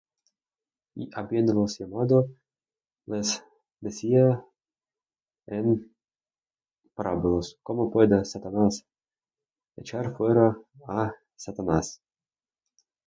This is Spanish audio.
Y habiéndolos llamado, les decía en parábolas: ¿Cómo puede Satanás echar fuera á Satanás?